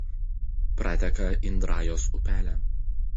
Prateka Indrajos upelė.